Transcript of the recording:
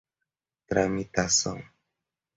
tramitação